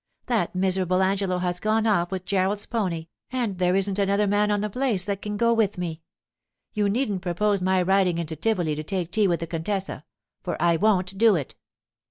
That miserable Angelo has gone off with Gerald's pony, and there isn't another man on the place that can go with me. You needn't propose my riding into Tivoli to take tea with the contessa, for I won't do it.